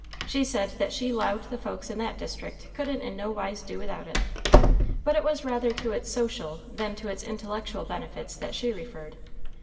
She said that she 'lowed the folks in that district couldn't in no wise do without it. But it was rather to its social than to its intellectual benefits that she referred.